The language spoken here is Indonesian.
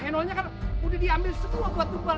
henolnya kan udah diambil semua buat tumba